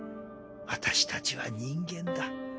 私たちは人間だ。